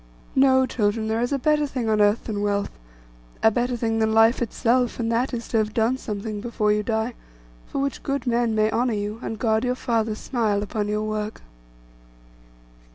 No, children, there is a better thing on earth than wealth, a better thing than life itself; and that is, to have done something before you die, for which good men may honour you, and God your Father smile upon your work.